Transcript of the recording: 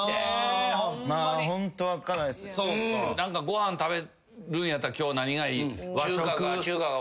ご飯食べるんやったら今日何がいい？